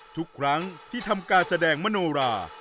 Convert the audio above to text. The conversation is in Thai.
ทุกครั้งที่ทำการแสดงมโนรา